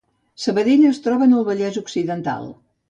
Sabadell es troba al Vallès Occidental